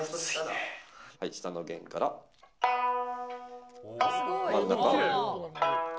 下の弦から真ん中。